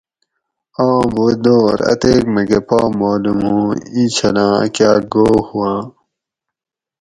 اوں بو دور اتیک مکہ پا معلوم ہوں ایں چھلاں اکاک گو ہُواں